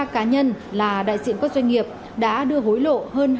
hai mươi ba cá nhân là đại diện các doanh nghiệp đã đưa hối lộ